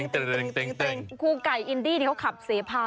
ครูไก่อินดีที่เขาขับเสภา